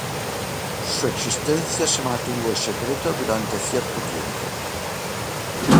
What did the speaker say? Su existencia se mantuvo en secreto durante cierto tiempo.